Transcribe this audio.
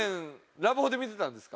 ラブホで見てたんですか？